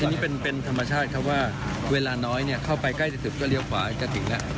ทีนี้เป็นเป็นธรรมชาติเพราะว่าเวลาน้อยเนี่ยเข้าไปใกล้จะถึงก็เลี่ยวขวาจะถึงแล้ว